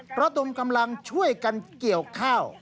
ระดมกำลังช่วยกันเกี่ยวข้าว